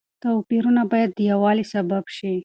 توپيرونه بايد د يووالي سبب شي.